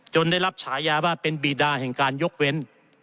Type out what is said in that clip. ได้รับฉายาว่าเป็นบีดาแห่งการยกเว้น